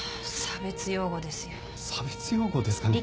差別用語ですかね？